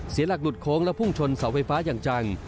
เสียหลักหลุดโค้งและพุ่งชนเสาไฟฟ้าอย่างจัง